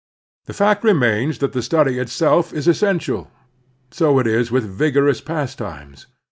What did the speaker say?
The fact remains that the study itself is essential. So it is with vigorous pastimes.